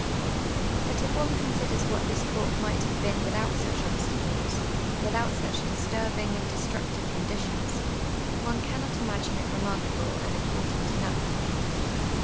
But if one considers what this court might have been with )ut such obstacles, without such disturbing and destructive conditions, one cannot imagine it remarkable and important enough.